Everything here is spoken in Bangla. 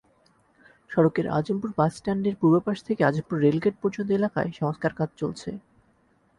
সড়কের আজমপুর বাসস্ট্যান্ডের পূর্ব পাশ থেকে আজমপুর রেলগেট পর্যন্ত এলাকায় সংস্কারকাজ চলছে।